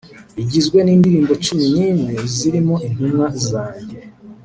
igizwe n’indirimbo cumi n’imwe zirimo “Intumwa Zanjye